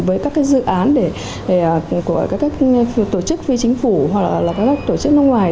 với các dự án của các tổ chức phi chính phủ hoặc là các tổ chức nước ngoài